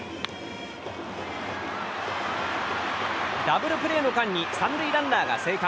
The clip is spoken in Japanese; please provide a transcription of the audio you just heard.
ダブルプレーの間に３塁ランナーが生還。